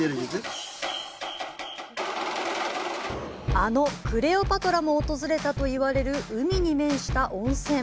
あのクレオパトラも訪れたと言われる海に面した温泉。